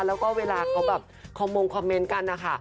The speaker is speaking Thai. แล้วก็เวลาเขาก็มงคอมเม้นต์กันนะคะ